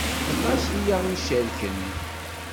Aṭas ay aɣ-icerken.